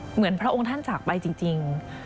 เหมือนพระองค์ท่านจากไปจริง